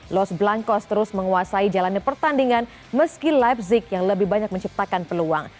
los blancos terus menguasai jalannya pertandingan meski lifezig yang lebih banyak menciptakan peluang